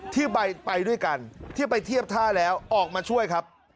ที่ไปด้วยกันที่ไปเทียบท่าแล้วออกมาช่วยครับ